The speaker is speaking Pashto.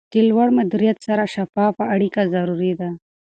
د لوړ مدیریت سره شفافه اړیکه ضروري ده.